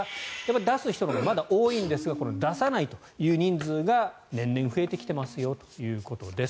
出す人がまだ多いんですが出さないという人数が年々増えてきてますよということです。